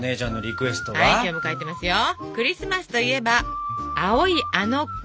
「クリスマスといえば青いあの子」。